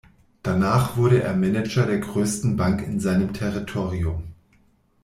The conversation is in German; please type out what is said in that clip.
Danach wurde er Manager der größten Bank in seinem Territorium.